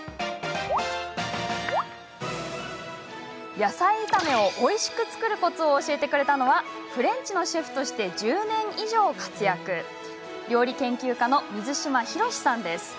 野菜炒めをおいしく作るコツを教えてくれたのはフレンチのシェフとして１０年以上活躍料理研究家の水島弘史さんです。